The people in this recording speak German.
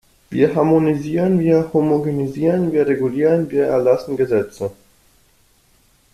Wir harmonisieren, wir homogenisieren, wir regulieren, wir erlassen Gesetze.